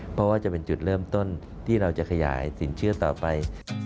เพราะว่าจะเป็นจุดเริ่มต้นที่เราจะขยายสินเชื่อต่อไป